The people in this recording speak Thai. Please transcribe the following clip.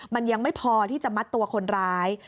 มันยังไม่พอที่จะมัดตัวคนร้าย